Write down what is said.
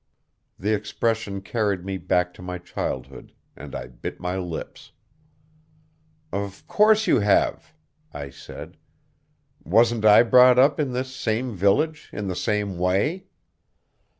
The expression carried me back to my childhood, and I bit my lips. "Of course you have," I said. "Wasn't I brought up in this same village, in the same way?